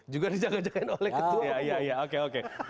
juga dijaga jagain oleh ketua umum